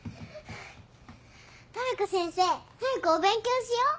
トラコ先生早くお勉強しよう！